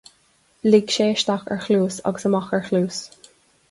Lig sé isteach ar chluas agus amach ar chluas